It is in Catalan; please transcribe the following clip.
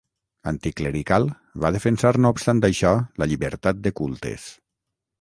Anticlerical, va defensar no obstant això la llibertat de cultes.